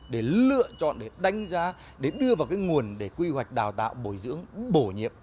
để lựa chọn để đánh giá để đưa vào cái nguồn để quy hoạch đào tạo bồi dưỡng bổ nhiệm